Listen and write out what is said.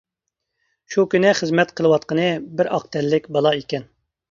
شۇ كۈنى خىزمەت قىلىۋاتقىنى بىر ئاق تەنلىك بالا ئىكەن.